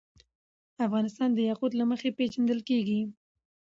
افغانستان د یاقوت له مخې پېژندل کېږي.